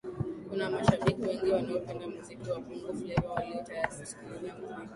kuna mashabiki wengi wanaopenda muziki wa bongo fleva walio tayari kusikiliza muziki